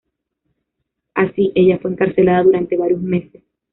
Así, ella fue encarcelada durante varios meses.